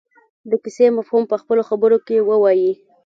د کیسې مفهوم په خپلو خبرو کې ووايي.